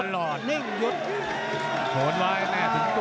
โหโหโหโหโหโหโหโหโหโห